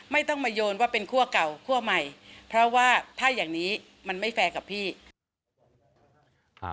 ไม่ต้องมาโยนว่าเป็นคั่วเก่าคั่วใหม่เพราะว่าถ้าอย่างนี้มันไม่แฟร์กับพี่